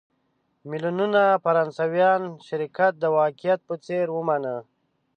میلیونونو فرانسویانو شرکت د واقعیت په څېر ومانه.